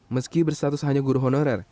meski berstatus hanya guru honorer